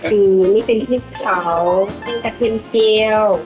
อืมนี่เป็นที่ขาวนี่เป็นกระเทียมเกลียว